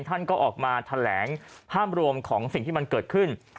ท่านก็ออกมาแถลงภาพรวมของสิ่งที่มันเกิดขึ้น